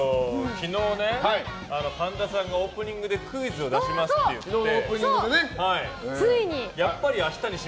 昨日ね神田さんがオープニングでクイズを出しますって言って。